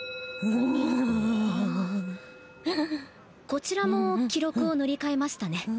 こちらも記録を塗り替えましたね